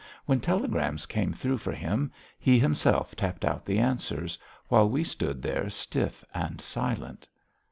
When telegrams came through for him, he himself tapped out the answers, while we stood there stiff and silent.